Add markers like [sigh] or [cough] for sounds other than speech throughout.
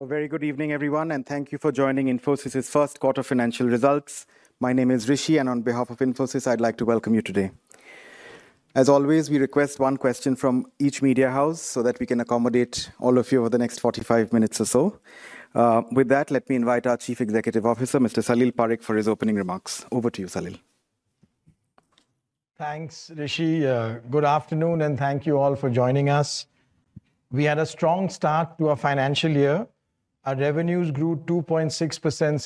A very good evening, everyone, and thank you for joining Infosys' first quarter financial results. My name is Rishi, and on behalf of Infosys, I'd like to welcome you today. As always, we request one question from each media house so that we can accommodate all of you over the next 45 minutes or so. With that, let me invite our Chief Executive Officer, Mr. Salil Parekh, for his opening remarks. Over to you, Salil. Thanks, Rishi. Good afternoon, and thank you all for joining us. We had a strong start to our financial year. Our revenues grew 2.6%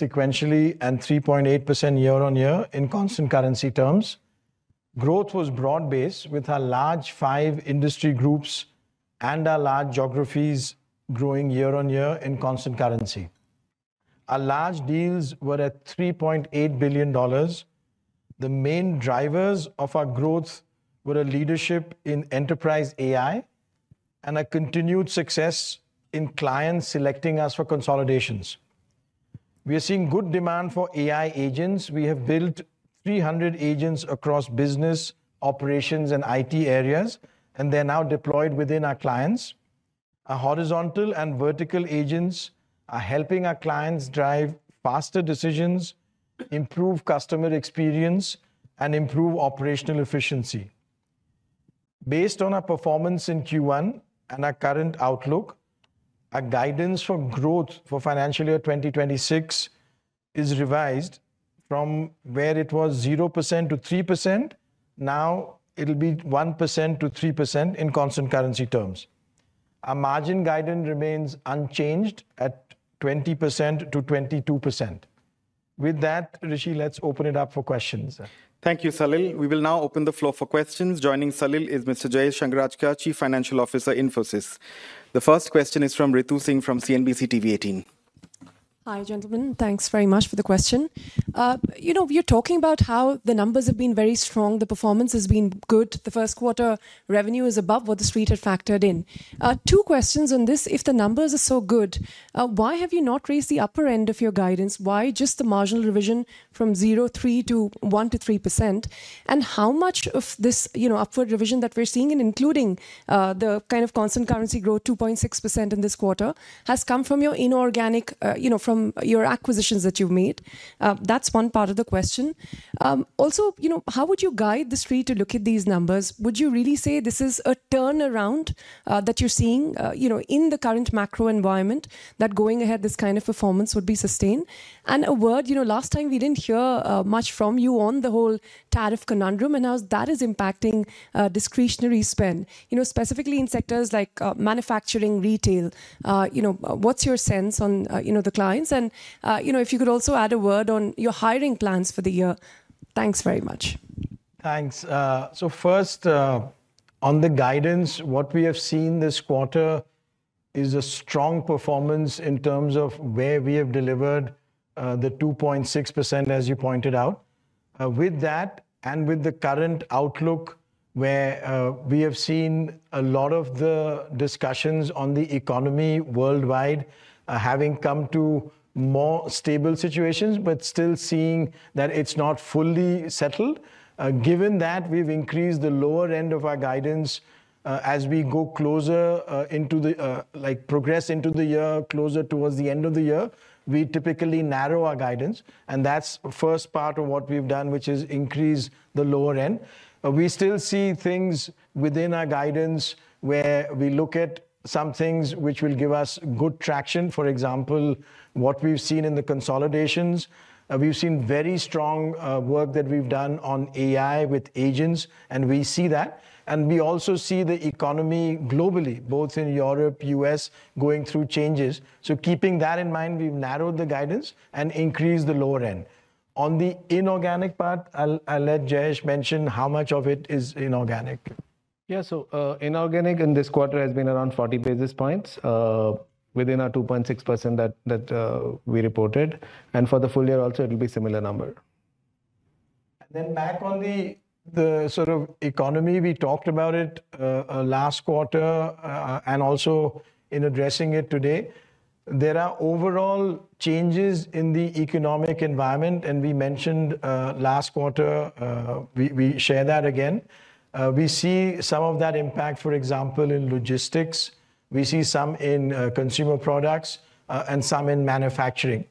sequentially and 3.8% year-on-year in constant currency terms. Growth was broad-based, with our large five industry groups and our large geographies growing year-on-year in constant currency. Our large deals were at $3.8 billion. The main drivers of our growth were our leadership in enterprise AI and our continued success in clients selecting us for consolidations. We are seeing good demand for AI agents. We have built 300 agents across business, operations, and IT areas, and they're now deployed within our clients. Our horizontal and vertical agents are helping our clients drive faster decisions, improve customer experience, and improve operational efficiency. Based on our performance in Q1 and our current outlook, our guidance for growth for financial year 2026 is revised from where it was 0%-3%. Now it'll be 1%-3% in constant currency terms. Our margin guidance remains unchanged at 20%-22%. With that, Rishi, let's open it up for questions. Thank you, Salil. We will now open the floor for questions. Joining Salil is Mr. Jayesh Sanghrajka, Chief Financial Officer, Infosys. The first question is from Ritu Singh from CNBC TV18. Hi, gentlemen. Thanks very much for the question. You know, we are talking about how the numbers have been very strong. The performance has been good. The first quarter revenue is above what the street had factored in. Two questions on this: if the numbers are so good, why have you not raised the upper end of your guidance? Why just the marginal revision from 0.3% to 1% to 3%? And how much of this, you know, upward revision that we're seeing, including the kind of constant currency growth, 2.6% in this quarter, has come from your inorganic, you know, from your acquisitions that you've made? That's one part of the question. Also, you know, how would you guide the street to look at these numbers? Would you really say this is a turnaround that you're seeing, you know, in the current macro environment, that going ahead, this kind of performance would be sustained? A word, you know, last time we didn't hear much from you on the whole tariff conundrum and how that is impacting discretionary spend, you know, specifically in sectors like manufacturing, retail. You know, what's your sense on, you know, the clients? If you could also add a word on your hiring plans for the year. Thanks very much. Thanks. First, on the guidance, what we have seen this quarter is a strong performance in terms of where we have delivered the 2.6%, as you pointed out. With that and with the current outlook, where we have seen a lot of the discussions on the economy worldwide having come to more stable situations, but still seeing that it's not fully settled. Given that we've increased the lower end of our guidance as we go closer into the, like, progress into the year, closer towards the end of the year, we typically narrow our guidance. That's the first part of what we've done, which is increase the lower end. We still see things within our guidance where we look at some things which will give us good traction. For example, what we've seen in the consolidations, we've seen very strong work that we've done on AI with agents, and we see that. We also see the economy globally, both in Europe, U.S., going through changes. Keeping that in mind, we've narrowed the guidance and increased the lower end. On the inorganic part, I'll let Jayesh mention how much of it is inorganic. Yeah, so inorganic in this quarter has been around 40 basis points. Within our 2.6% that we reported, and for the full year also, it'll be a similar number. Back on the sort of economy, we talked about it last quarter and also in addressing it today. There are overall changes in the economic environment, and we mentioned last quarter. We share that again. We see some of that impact, for example, in logistics. We see some in consumer products and some in manufacturing.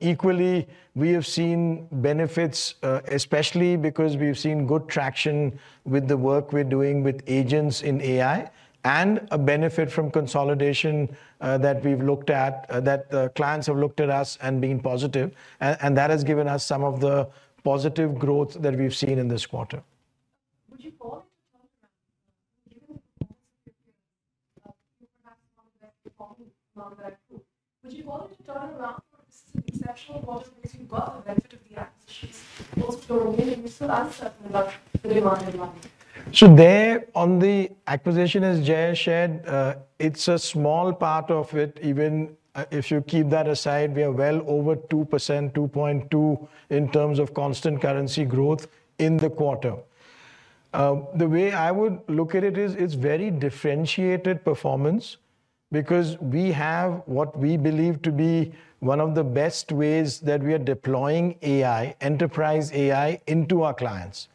Equally, we have seen benefits, especially because we've seen good traction with the work we're doing with agents in AI and a benefit from consolidation that we've looked at, that clients have looked at us and been positive. That has given us some of the positive growth that we've seen in this quarter. [audio distortion] Would you call it a. [audio distortion] There on the acquisition, as Jayesh shared, it's a small part of it. Even if you keep that aside, we are well over 2%, 2.2% in terms of constant currency growth in the quarter. The way I would look at it is it's very differentiated performance because we have what we believe to be one of the best ways that we are deploying AI, enterprise AI, into our clients.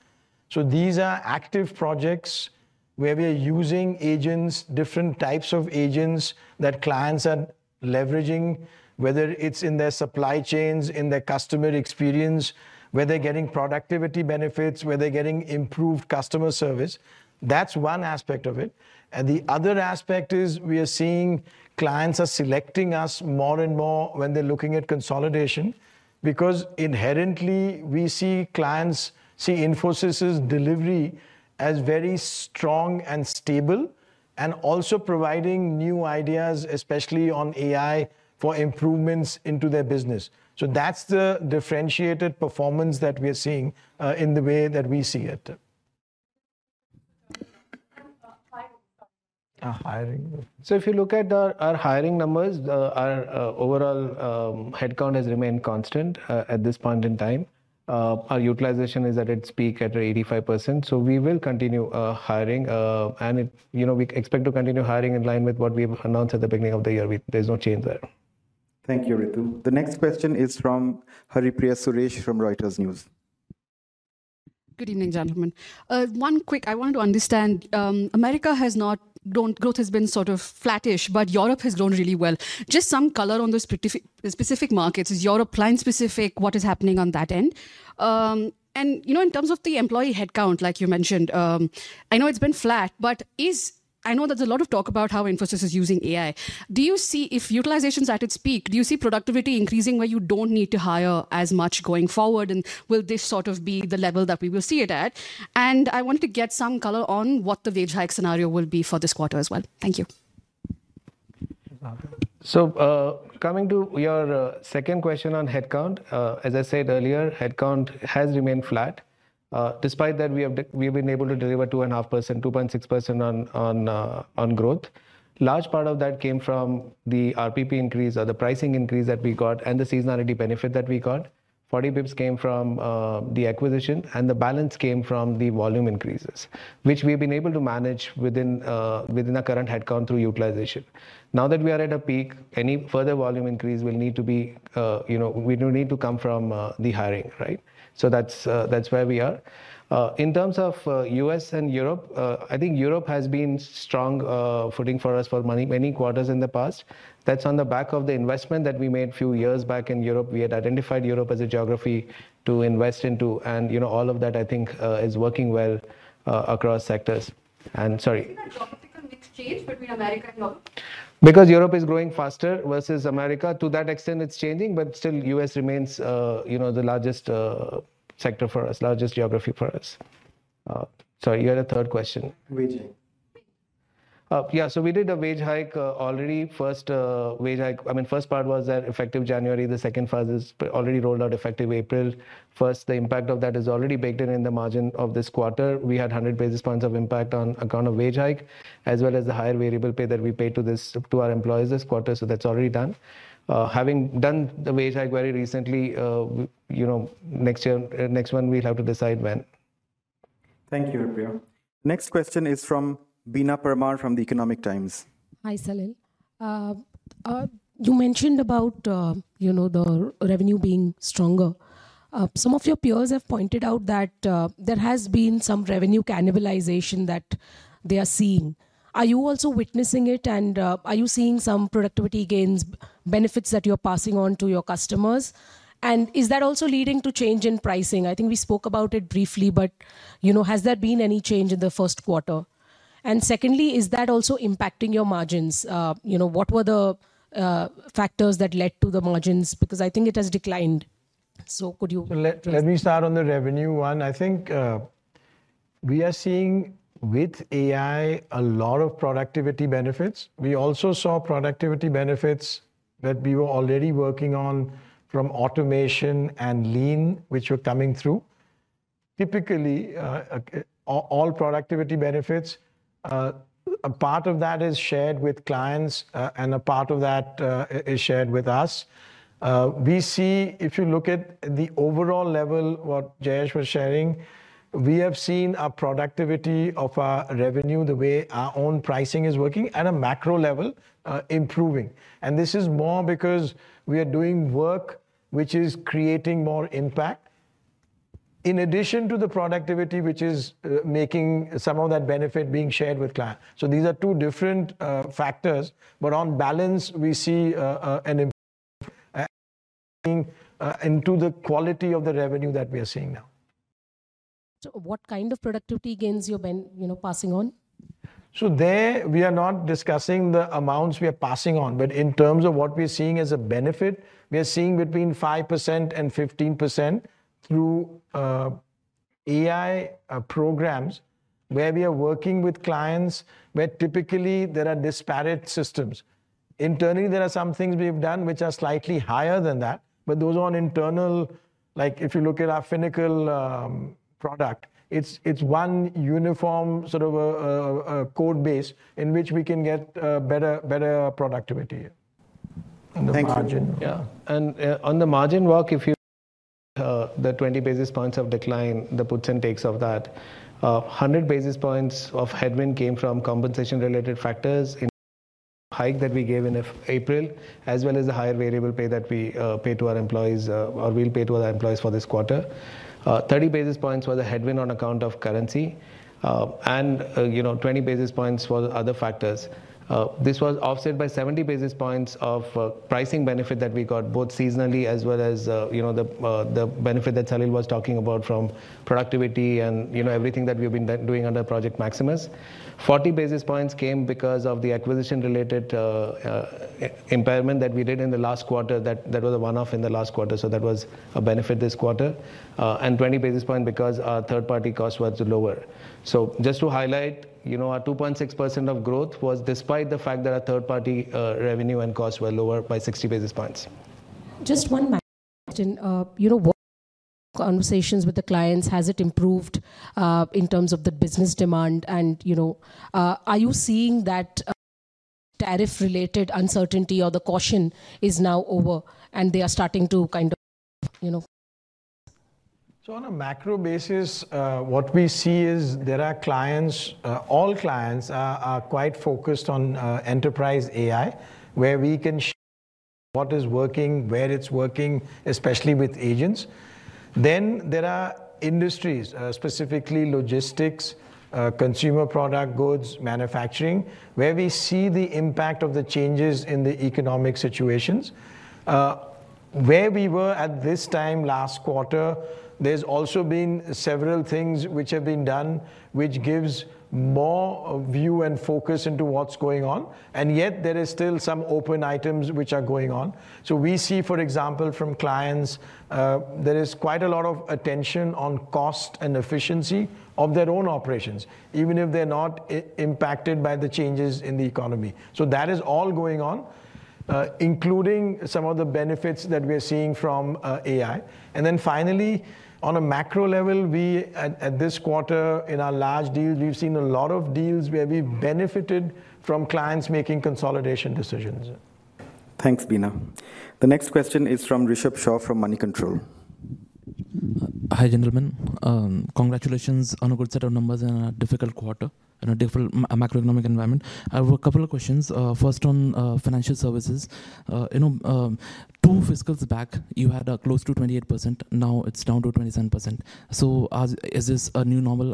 These are active projects where we are using agents, different types of agents that clients are leveraging, whether it's in their supply chains, in their customer experience, where they're getting productivity benefits, where they're getting improved customer service. That's one aspect of it. The other aspect is we are seeing clients are selecting us more and more when they're looking at consolidation because inherently we see clients see Infosys' delivery as very strong and stable and also providing new ideas, especially on AI for improvements into their business. That's the differentiated performance that we are seeing in the way that we see it. If you look at our hiring numbers, our overall headcount has remained constant at this point in time. Our utilization is at its peak at 85%. We will continue hiring, and you know, we expect to continue hiring in line with what we have announced at the beginning of the year. There's no change there. Thank you, Ritu. The next question is from Haripriya Suresh from Reuters News. Good evening, gentlemen. One quick, I wanted to understand. America has not, growth has been sort of flattish, but Europe has grown really well. Just some color on those specific markets. Is Europe client-specific? What is happening on that end? You know, in terms of the employee headcount, like you mentioned, I know it's been flat, but is, I know there's a lot of talk about how Infosys is using AI. Do you see if utilization's at its peak? Do you see productivity increasing where you don't need to hire as much going forward? Will this sort of be the level that we will see it at? I wanted to get some color on what the wage hike scenario will be for this quarter as well. Thank you. Coming to your second question on headcount, as I said earlier, headcount has remained flat. Despite that, we have been able to deliver 2.5%-2.6% on growth. A large part of that came from the RPP increase or the pricing increase that we got and the seasonality benefit that we got. Forty bps came from the acquisition, and the balance came from the volume increases, which we have been able to manage within our current headcount through utilization. Now that we are at a peak, any further volume increase will need to be, you know, we do need to come from the hiring, right? That is where we are. In terms of U.S. and Europe, I think Europe has been strong footing for us for many quarters in the past. That is on the back of the investment that we made a few years back in Europe. We had identified Europe as a geography to invest into, and you know, all of that I think is working well across sectors. And sorry. [audio distortion] Because Europe is growing faster versus America. To that extent, it's changing, but still U.S. remains, you know, the largest sector for us, largest geography for us. Sorry, you had a third question. Wage. Yeah, so we did a wage hike already. First wage hike, I mean, first part was that effective January. The second phase is already rolled out effective April 1. The impact of that is already baked in in the margin of this quarter. We had 100 basis points of impact on account of wage hike, as well as the higher variable pay that we paid to our employees this quarter. That's already done. Having done the wage hike very recently, you know, next year, next one we'll have to decide when. Thank you, Haripriya. Next question is from Beena Parmar from The Economic Times. Hi, Salil. You mentioned about, you know, the revenue being stronger. Some of your peers have pointed out that there has been some revenue cannibalization that they are seeing. Are you also witnessing it, and are you seeing some productivity gains, benefits that you're passing on to your customers? Is that also leading to change in pricing? I think we spoke about it briefly, but you know, has there been any change in the first quarter? Secondly, is that also impacting your margins? You know, what were the factors that led to the margins? Because I think it has declined. Could you? Let me start on the revenue one. I think we are seeing with AI a lot of productivity benefits. We also saw productivity benefits that we were already working on from automation and lean, which were coming through. Typically, all productivity benefits, a part of that is shared with clients, and a part of that is shared with us. We see, if you look at the overall level, what Jayesh was sharing, we have seen our productivity of our revenue, the way our own pricing is working at a macro level, improving. This is more because we are doing work which is creating more impact. In addition to the productivity, which is making some of that benefit being shared with clients. These are two different factors, but on balance, we see an impact into the quality of the revenue that we are seeing now. What kind of productivity gains are you passing on? There we are not discussing the amounts we are passing on, but in terms of what we're seeing as a benefit, we are seeing between 5% and 15% through. AI programs where we are working with clients where typically there are disparate systems. Internally, there are some things we have done which are slightly higher than that, but those are on internal, like if you look at our Finacle product, it's one uniform sort of code base in which we can get better productivity. On the margin. Yeah, and on the margin work, if you. The 20 basis points of decline, the puts and takes of that. 100 basis points of headwind came from compensation-related factors. Hike that we gave in April, as well as the higher variable pay that we pay to our employees, or we'll pay to our employees for this quarter. 30 basis points was a headwind on account of currency. And, you know, 20 basis points for other factors. This was offset by 70 basis points of pricing benefit that we got both seasonally as well as, you know, the benefit that Salil was talking about from productivity and, you know, everything that we've been doing under Project Maximus. 40 basis points came because of the acquisition-related. Impairment that we did in the last quarter that was a one-off in the last quarter. So that was a benefit this quarter. And 20 basis points because our third-party cost was lower. Just to highlight, you know, our 2.6% of growth was despite the fact that our third-party revenue and cost were lower by 60 basis points. Just [audio distortion] conversations with the clients? Has it improved in terms of the business demand? You know, are you seeing that tariff-related uncertainty or the caution is now over and they are starting to kind of, you know? On a macro basis, what we see is there are clients, all clients are quite focused on enterprise AI, where we can share what is working, where it's working, especially with agents. There are industries, specifically logistics, consumer product goods, manufacturing, where we see the impact of the changes in the economic situations. Where we were at this time last quarter, there's also been several things which have been done, which gives more view and focus into what's going on. Yet there are still some open items which are going on. We see, for example, from clients, there is quite a lot of attention on cost and efficiency of their own operations, even if they're not impacted by the changes in the economy. That is all going on, including some of the benefits that we are seeing from AI. Finally, on a macro level, we at this quarter in our large deals, we've seen a lot of deals where we benefited from clients making consolidation decisions. Thanks, Bina. The next question is from Reshabh Shaw from Money Control. Hi, gentlemen. Congratulations on a good set of numbers in a difficult quarter, in a difficult macroeconomic environment. I have a couple of questions. First on financial services. You know, two fiscals back, you had close to 28%. Now it's down to 27%. Is this a new normal?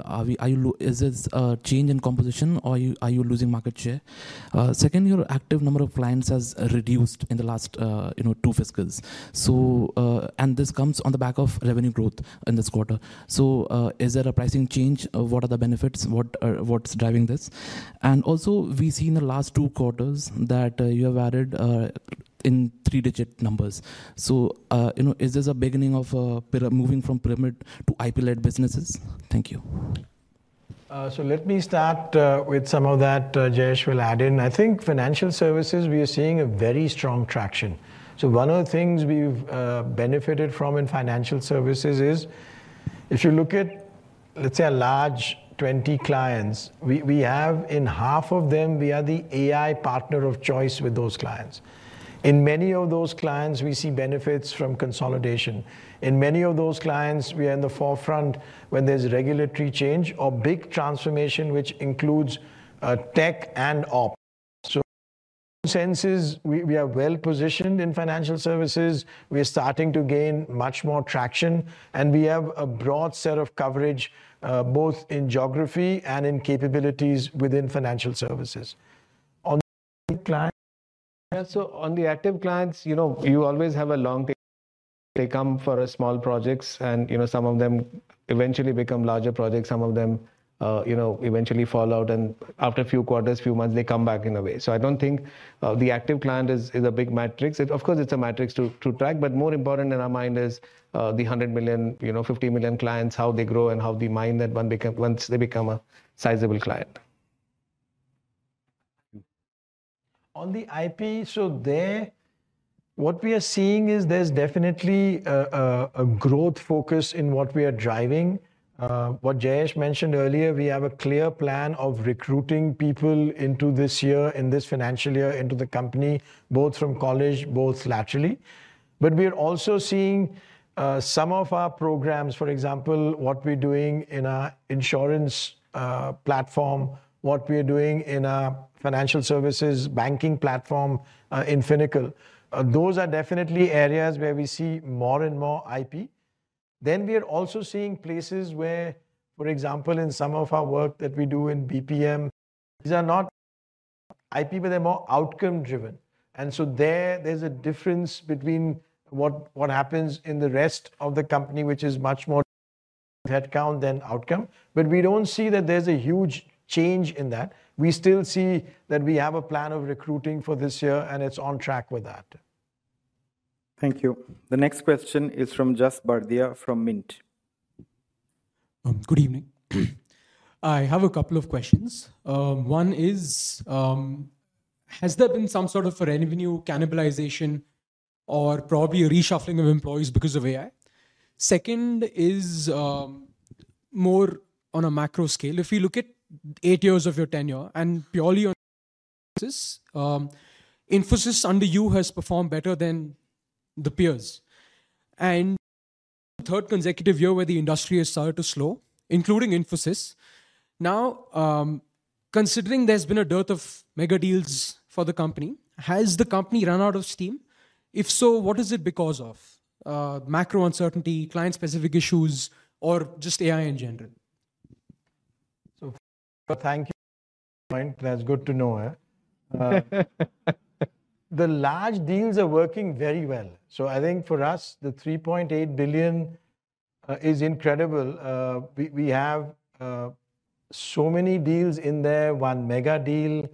Is this a change in composition or are you losing market share? Second, your active number of clients has reduced in the last, you know, two fiscals. This comes on the back of revenue growth in this quarter. Is there a pricing change? What are the benefits? What's driving this? Also, we see in the last two quarters that you have added in three-digit numbers. You know, is this a beginning of moving from pyramid to IP-led businesses? Thank you. Let me start with some of that. Jayesh will add in. I think financial services, we are seeing a very strong traction. One of the things we've benefited from in financial services is if you look at, let's say, a large 20 clients, we have in half of them, we are the AI partner of choice with those clients. In many of those clients, we see benefits from consolidation. In many of those clients, we are in the forefront when there's regulatory change or big transformation, which includes tech and ops. Senses, we are well positioned in financial services. We are starting to gain much more traction, and we have a broad set of coverage both in geography and in capabilities within financial services. On the clients, on the active clients, you know, you always have a long take. They come for small projects, and you know, some of them eventually become larger projects. Some of them, you know, eventually fall out, and after a few quarters, a few months, they come back in a way. I don't think the active client is a big matrix. Of course, it's a matrix to track, but more important in our mind is the $100 million, $50 million clients, how they grow and how they mind that once they become a sizable client. On the IP, so there, what we are seeing is there's definitely a growth focus in what we are driving. What Jayesh mentioned earlier, we have a clear plan of recruiting people into this year, in this financial year, into the company, both from college, both laterally. We are also seeing some of our programs, for example, what we're doing in our insurance platform, what we are doing in our financial services banking platform in Finacle. Those are definitely areas where we see more and more IP. We are also seeing places where, for example, in some of our work that we do in BPM, these are not IP, but they're more outcome-driven. There is a difference between what happens in the rest of the company, which is much more headcount than outcome. We don't see that there's a huge change in that. We still see that we have a plan of recruiting for this year, and it's on track with that. Thank you. The next question is from Jas Bardia from Mint. Good evening. I have a couple of questions. One is, has there been some sort of revenue cannibalization or probably a reshuffling of employees because of AI? Second is, more on a macro scale, if we look at eight years of your tenure and purely [audio distortion] Infosys under you has performed better than the peers. Third consecutive year where the industry has started to slow, including Infosys. Now, considering there's been a dearth of mega deals for the company, has the company run out of steam? If so, what is it because of? Macro uncertainty, client-specific issues, or just AI in general? Thank you. That's good to know. The large deals are working very well. I think for us, the $3.8 billion is incredible. We have so many deals in there, one mega deal.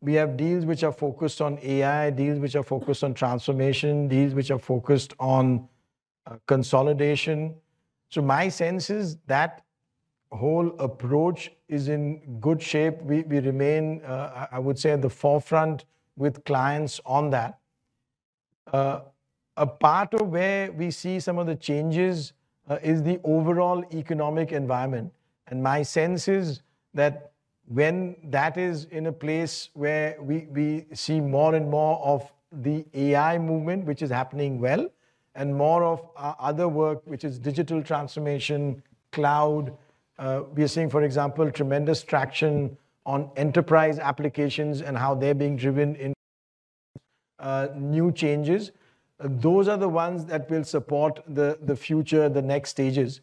We have deals which are focused on AI, deals which are focused on transformation, deals which are focused on consolidation. My sense is that whole approach is in good shape. We remain, I would say, at the forefront with clients on that. A part of where we see some of the changes is the overall economic environment. My sense is that when that is in a place where we see more and more of the AI movement, which is happening well, and more of our other work, which is digital transformation, cloud, we are seeing, for example, tremendous traction on enterprise applications and how they're being driven in new changes. Those are the ones that will support the future, the next stages.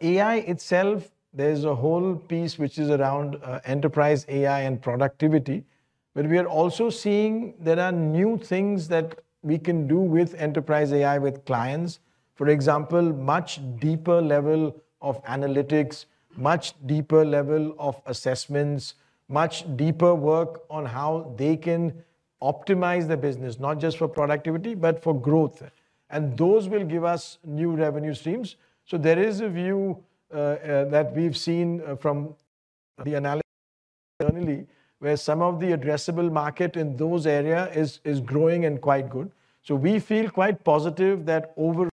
AI itself, there's a whole piece which is around enterprise AI and productivity. We are also seeing there are new things that we can do with enterprise AI with clients. For example, much deeper level of analytics, much deeper level of assessments, much deeper work on how they can optimize their business, not just for productivity, but for growth. Those will give us new revenue streams. There is a view that we've seen from the analysis internally where some of the addressable market in those areas is growing and quite good. We feel quite positive that over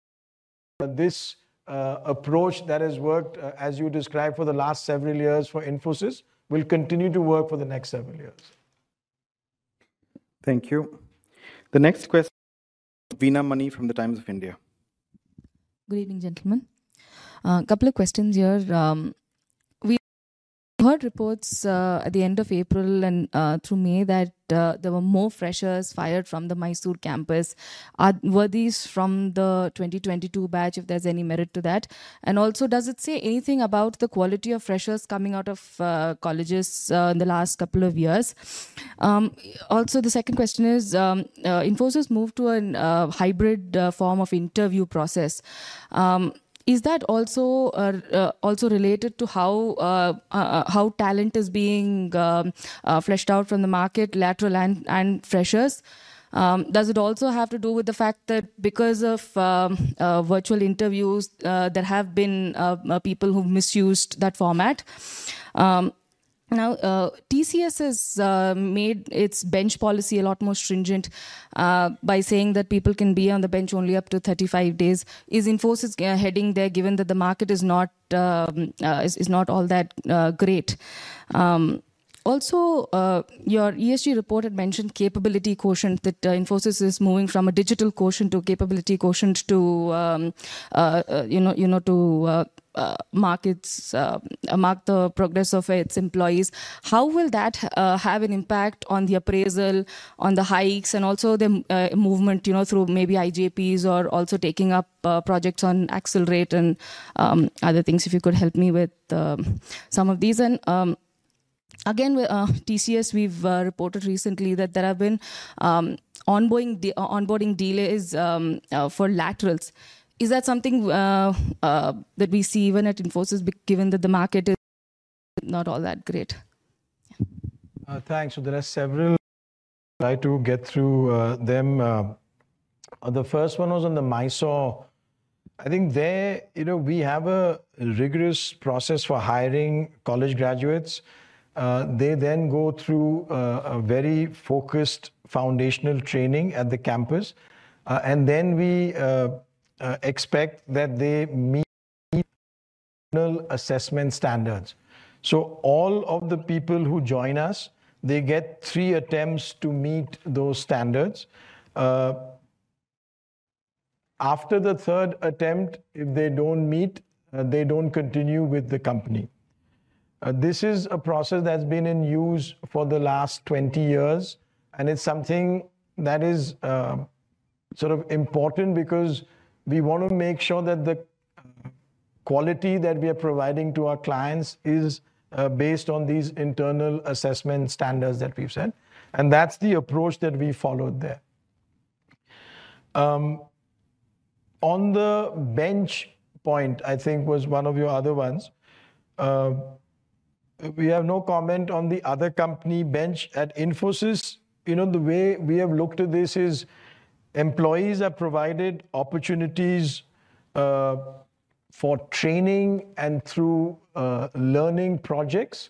this approach that has worked, as you described for the last several years for Infosys, will continue to work for the next several years. Thank you. The next question. Veena Mani from The Times of India. Good evening, gentlemen. A couple of questions here. We've heard reports at the end of April and through May that there were more freshers fired from the Mysore campus. Were these from the 2022 batch, if there's any merit to that? Also, does it say anything about the quality of freshers coming out of colleges in the last couple of years? The second question is, Infosys moved to a hybrid form of interview process. Is that also related to how talent is being fleshed out from the market, lateral and freshers? Does it also have to do with the fact that because of virtual interviews, there have been people who misused that format? Now, Tata Consultancy Services has made its bench policy a lot more stringent by saying that people can be on the bench only up to 35 days. Is Infosys heading there, given that the market is not all that great? Also, your ESG report had mentioned capability caution, that Infosys is moving from a digital caution to capability caution to mark the progress of its employees. How will that have an impact on the appraisal, on the hikes, and also the movement, you know, through maybe IJPs or also taking up projects on accelerate and other things, if you could help me with some of these? Again, Tata Consultancy Services, we've reported recently that there have been onboarding delays for laterals. Is that something that we see even at Infosys, given that the market is not all that great? Thanks. There are several. Try to get through them. The first one was on the Mysore. I think there, you know, we have a rigorous process for hiring college graduates. They then go through a very focused foundational training at the campus. We expect that they meet assessment standards. All of the people who join us, they get three attempts to meet those standards. After the third attempt, if they do not meet, they do not continue with the company. This is a process that has been in use for the last 20 years. It is something that is sort of important because we want to make sure that the quality that we are providing to our clients is based on these internal assessment standards that we have set. That is the approach that we followed there. On the bench point, I think was one of your other ones. We have no comment on the other company bench at Emphasis. You know, the way we have looked at this is employees are provided opportunities for training and through learning projects.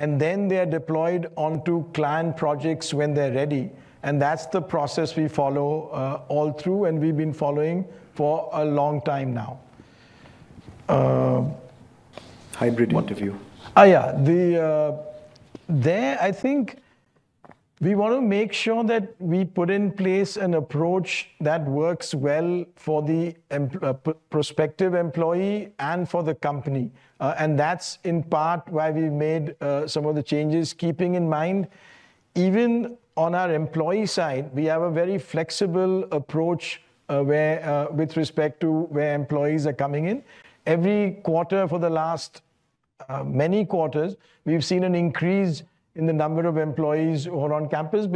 Then they are deployed onto client projects when they are ready. That is the process we follow all through, and we have been following for a long time now. Hybrid point of view. Yeah. There, I think. We want to make sure that we put in place an approach that works well for the prospective employee and for the company. That's in part why we made some of the changes, keeping in mind. Even on our employee side, we have a very flexible approach. With respect to where employees are coming in. Every quarter for the last many quarters, we've seen an increase in the number of employees on campus.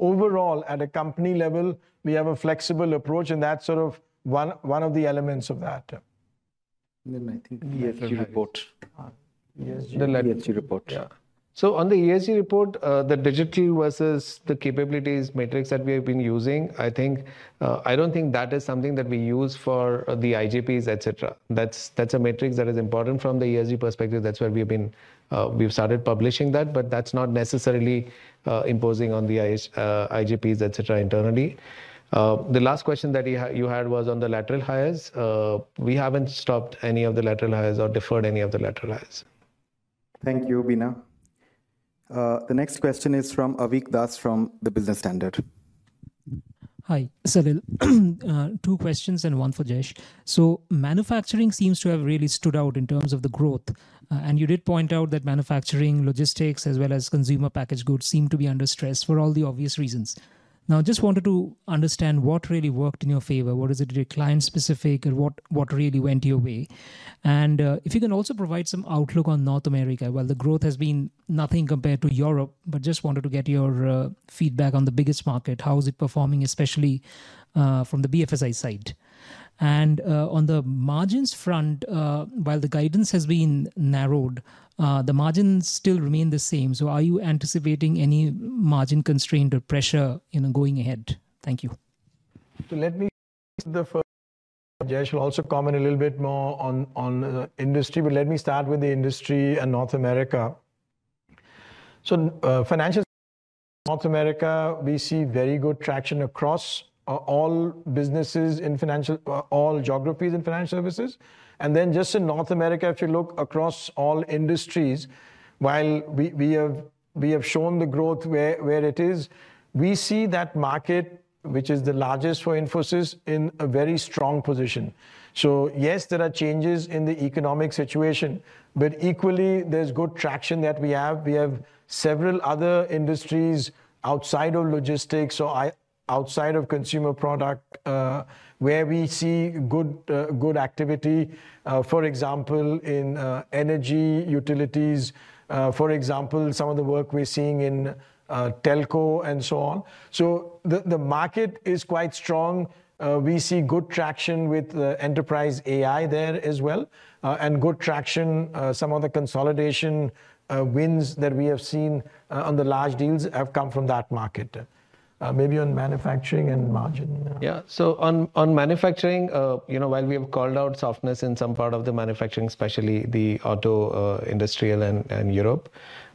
Overall, at a company level, we have a flexible approach. That's sort of one of the elements of that. I think ESG report. ESG report. Yeah. On the ESG report, the digital versus the capabilities matrix that we have been using, I think, I do not think that is something that we use for the IGPs, et cetera. That is a matrix that is important from the ESG perspective. That is where we have started publishing that, but that is not necessarily imposing on the IGPs, et cetera, internally. The last question that you had was on the lateral hires. We have not stopped any of the lateral hires or deferred any of the lateral hires. Thank you, Veena. The next question is from Avik Das from the Business Standard. Hi, Salil. Two questions and one for Jayesh. Manufacturing seems to have really stood out in terms of the growth. You did point out that manufacturing, logistics, as well as consumer packaged goods seem to be under stress for all the obvious reasons. I just wanted to understand what really worked in your favor. Was it client-specific or what really went your way? If you can also provide some outlook on North America. The growth has been nothing compared to Europe, but I just wanted to get your feedback on the biggest market. How is it performing, especially from the BFSI side? On the margins front, while the guidance has been narrowed, the margins still remain the same. Are you anticipating any margin constraint or pressure going ahead? Thank you. Let me start with the first. Jayesh will also comment a little bit more on the industry, but let me start with the industry and North America. Financial. North America, we see very good traction across all businesses in financial, all geographies in financial services. Just in North America, if you look across all industries, while we have shown the growth where it is, we see that market, which is the largest for Infosys, in a very strong position. Yes, there are changes in the economic situation, but equally, there's good traction that we have. We have several other industries outside of logistics, outside of consumer product. We see good activity, for example, in energy, utilities, for example, some of the work we're seeing in telco and so on. The market is quite strong. We see good traction with enterprise AI there as well, and good traction. Some of the consolidation wins that we have seen on the large deals have come from that market. Maybe on manufacturing and margin. Yeah. So on manufacturing, you know, while we have called out softness in some part of the manufacturing, especially the auto industrial and Europe,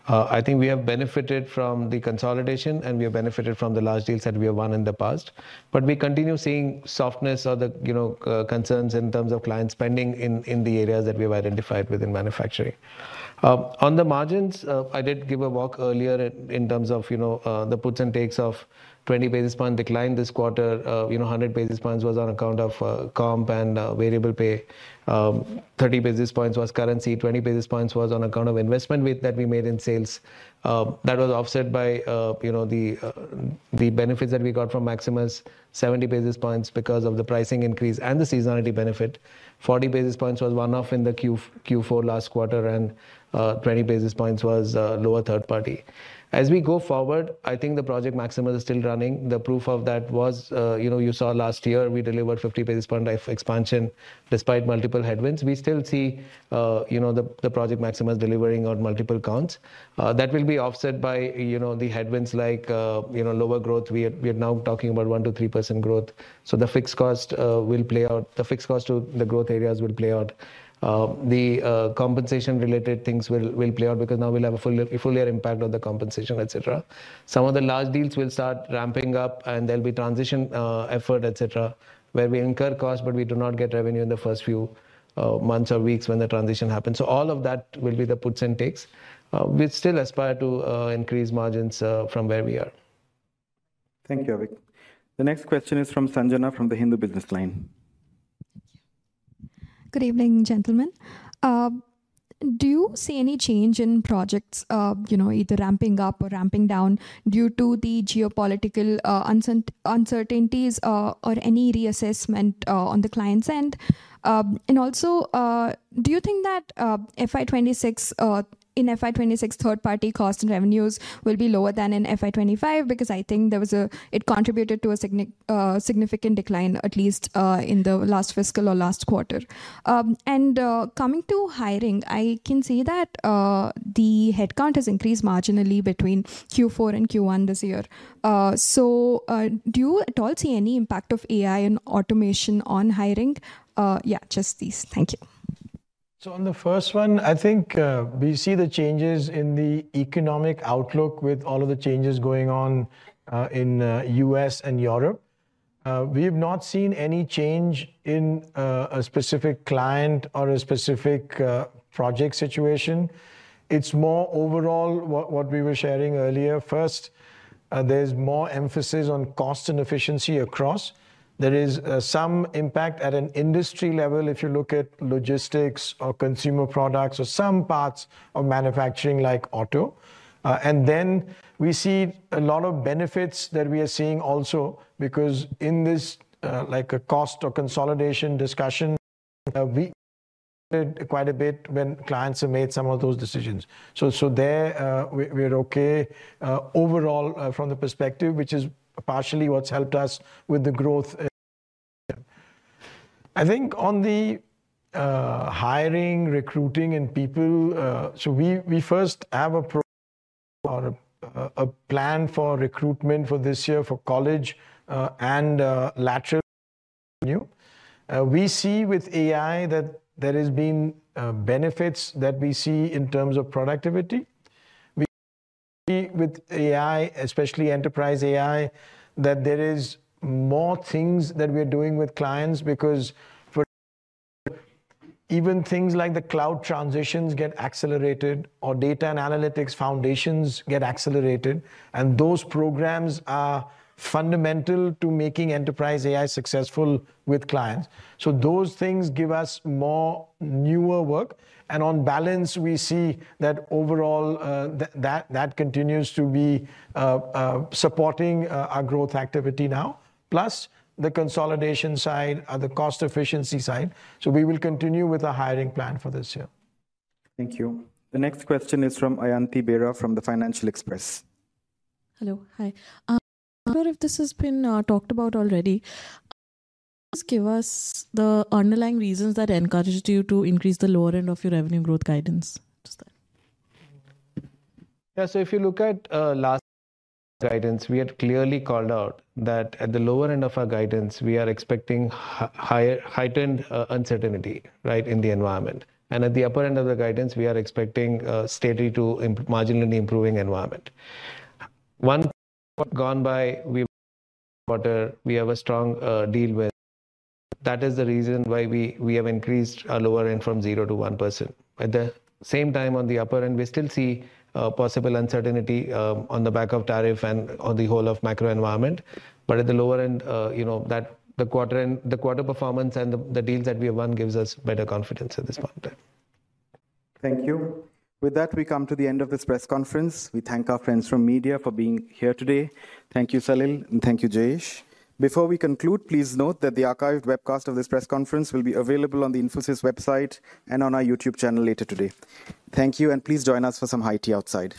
I think we have benefited from the consolidation and we have benefited from the large deals that we have won in the past. We continue seeing softness or the concerns in terms of client spending in the areas that we have identified within manufacturing. On the margins, I did give a walk earlier in terms of, you know, the puts and takes of 20 basis points decline this quarter. You know, 100 basis points was on account of comp and variable pay. 30 basis points was currency. 20 basis points was on account of investment that we made in sales. That was offset by, you know, the benefits that we got from Maximus, 70 basis points because of the pricing increase and the seasonality benefit. 40 basis points was one-off in the Q4 last quarter and 20 basis points was lower third party. As we go forward, I think the project Maximus is still running. The proof of that was, you know, you saw last year we delivered 50 basis point expansion despite multiple headwinds. We still see, you know, the project Maximus delivering on multiple counts. That will be offset by, you know, the headwinds like, you know, lower growth. We are now talking about 1%-3% growth. The fixed cost will play out. The fixed cost to the growth areas will play out. The compensation-related things will play out because now we'll have a fuller impact on the compensation, et cetera. Some of the large deals will start ramping up and there'll be transition effort, et cetera, where we incur cost, but we do not get revenue in the first few months or weeks when the transition happens. All of that will be the puts and takes. We still aspire to increase margins from where we are. Thank you, Avik. The next question is from Sanjana from the Hindu Business Line. Good evening, gentlemen. Do you see any change in projects, you know, either ramping up or ramping down due to the geopolitical uncertainties or any reassessment on the client's end? Also, do you think that in FY2026 third-party cost and revenues will be lower than in FY2025? Because I think there was a, it contributed to a significant decline, at least in the last fiscal or last quarter. Coming to hiring, I can see that the headcount has increased marginally between Q4 and Q1 this year. Do you at all see any impact of AI and automation on hiring? Yeah, just these. Thank you. On the first one, I think we see the changes in the economic outlook with all of the changes going on in the U.S. and Europe. We have not seen any change in a specific client or a specific project situation. It is more overall what we were sharing earlier. First, there is more emphasis on cost and efficiency across. There is some impact at an industry level if you look at logistics or consumer products or some parts of manufacturing like auto. We see a lot of benefits that we are seeing also because in this, like a cost or consolidation discussion. We did quite a bit when clients have made some of those decisions. There we are okay overall from the perspective, which is partially what has helped us with the growth. I think on the hiring, recruiting, and people, we first have a plan for recruitment for this year for college and lateral. Revenue, we see with AI that there have been benefits that we see in terms of productivity. With AI, especially enterprise AI, there are more things that we are doing with clients because even things like the cloud transitions get accelerated or data and analytics foundations get accelerated. Those programs are fundamental to making enterprise AI successful with clients. Those things give us more newer work. On balance, we see that overall that continues to be supporting our growth activity now, plus the consolidation side or the cost efficiency side. We will continue with our hiring plan for this year. Thank you. The next question is from Ayanti Bera from the Financial Express. Hello. Hi. I'm not sure if this has been talked about already. Just give us the underlying reasons that encouraged you to increase the lower end of your revenue growth guidance. Yeah. If you look at last guidance, we had clearly called out that at the lower end of our guidance, we are expecting higher heightened uncertainty, right, in the environment. At the upper end of the guidance, we are expecting a steady to marginally improving environment. One quarter gone by [audio distortion] quarter, we have a strong deal with. That is the reason why we have increased our lower end from 0% to 1%. At the same time, on the upper end, we still see possible uncertainty on the back of tariff and on the whole of macro environment. At the lower end, you know, the quarter performance and the deals that we have won gives us better confidence at this point in time. Thank you. With that, we come to the end of this press conference. We thank our friends from media for being here today. Thank you, Salil. Thank you, Jayesh. Before we conclude, please note that the archived webcast of this press conference will be available on the Infosys website and on our YouTube channel later today. Thank you, and please join us for some high tea outside.